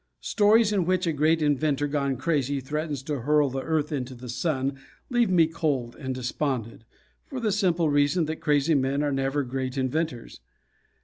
Stories in which a great inventor gone crazy threatens to hurl the Earth into the Sun leave me cold and despondent, for the simple reason that crazy men are never great inventors.